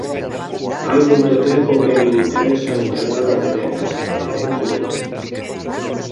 Hai moito tempo que me interesa o internado de nenas, en feminino.